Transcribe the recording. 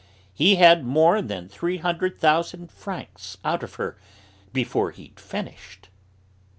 He had more than three hundred thousand francs out of her before he'd finished."